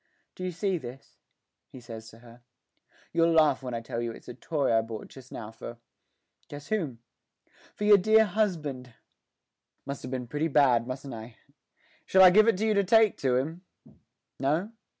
'Do you see this?' he says to her. 'You'll laugh when I tell you it's a toy I bought just now for guess whom for your dear husband! Must have been pretty bad, mustn't I? Shall I give it to you to take to him no?